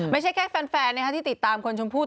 ไม่ใช่แค่แฟนที่ติดตามคนชมพู่